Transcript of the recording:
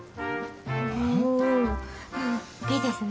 おいいですね！